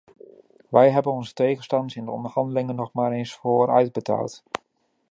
Wij hebben onze tegenstander in de onderhandelingen nog maar eens vooruitbetaald.